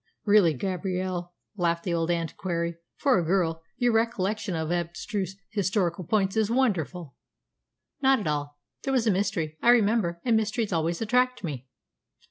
"Really, Gabrielle," laughed the old antiquary, "for a girl, your recollection of abstruse historical points is wonderful." "Not at all. There was a mystery, I remember, and mysteries always attract me."